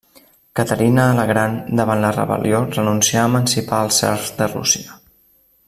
Caterina la Gran davant la rebel·lió renuncià a emancipar els serfs de Rússia.